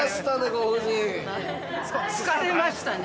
疲れましたね。